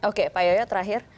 oke pak yoyo terakhir